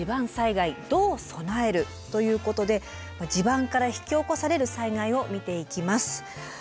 ということで地盤から引き起こされる災害を見ていきます。